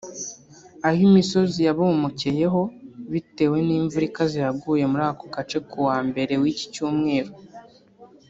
aho imisozi yababomokeyeho bitewe n’imvura ikaze yaguye muri ako gace ku wa Mbere w’iki cyumweru